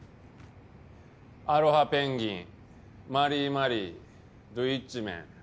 アロハペンギンマリーマリーどぅいっちメン。